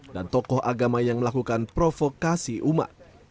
dan tokoh agama yang melakukan provokasi umat